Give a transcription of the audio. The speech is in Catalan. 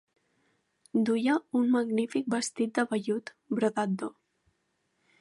Duia un magnífic vestit de vellut brodat d'or.